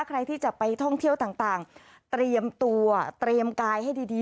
ใครที่จะไปท่องเที่ยวต่างเตรียมตัวเตรียมกายให้ดี